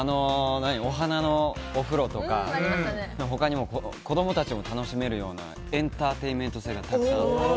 お花のお風呂とか、他にも子供たちも楽しめるようなエンターテイメント性がたくさんあって。